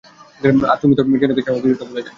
আর তুমি তো টিনাকে জানোই, ও কিছুটা ভুলে যায়।